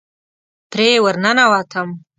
پرې ورننوتم.